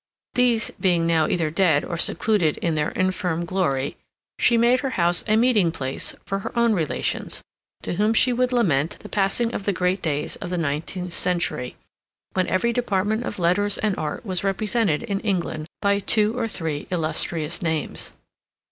These being now either dead or secluded in their infirm glory, she made her house a meeting place for her own relations, to whom she would lament the passing of the great days of the nineteenth century, when every department of letters and art was represented in England by two or three illustrious names.